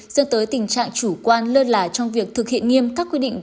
dân tới tình trạng chủ quan lơn lả trong việc thực hiện nghiêm các quy định